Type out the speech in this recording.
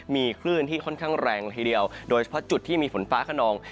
มีคลื่นที่ค่อนข้างแรงละทีเดียวโดยเฉพาะจุดที่มีฝนฟ้าขนอง